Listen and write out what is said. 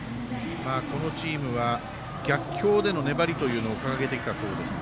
このチームは逆境での粘りというのを掲げてきたそうですが。